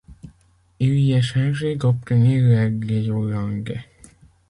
Il y est chargé d’obtenir l’aide des Hollandais.